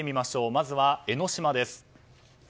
まずは江の島です。